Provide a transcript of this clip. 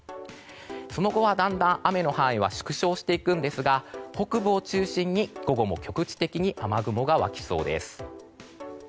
その後はだんだん雨の範囲は縮小していくんですが北部を中心に午後も局地的に雨雲が湧きそうです。